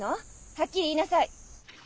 はっきり言いなさい！